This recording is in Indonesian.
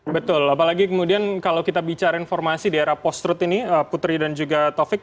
betul apalagi kemudian kalau kita bicara informasi di era post truth ini putri dan juga taufik